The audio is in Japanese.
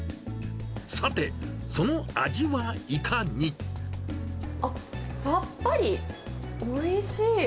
さて、その味はいかに？あっ、さっぱり、おいしい。